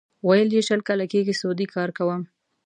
ویل یې شل کاله کېږي سعودي کار کوي.